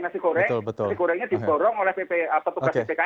nasi gorengnya diborong oleh pp atau tugas ppkm